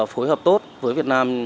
phối hợp tốt với việt nam